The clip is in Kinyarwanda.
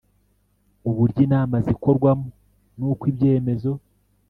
uburyo inama zikorwamo n uko ibyemezo